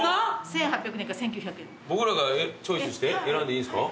僕らがチョイスして選んでいいんですか？